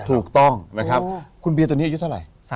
ถูกต้องคุณเบียร์ตัวนี้อายุเท่าไหร่